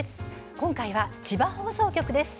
今回は、千葉放送局です。